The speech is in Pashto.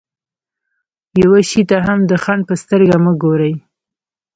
يوه شي ته هم د خنډ په سترګه مه ګورئ.